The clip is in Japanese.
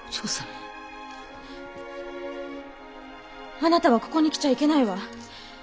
あなたはここに来ちゃいけないわ。